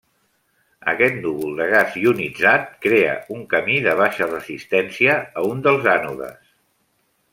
Aquest núvol de gas ionitzat crea un camí de baixa resistència a un dels ànodes.